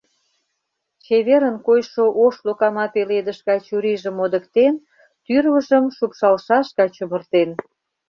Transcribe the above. Чеверын койшо ош локама пеледыш гай чурийжым модыктен, тӱрвыжым шупшалшаш гай чумыртен.